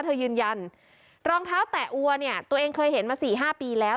ยืนยันรองเท้าแตะอัวเนี่ยตัวเองเคยเห็นมาสี่ห้าปีแล้ว